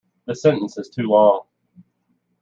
The sentence is too long.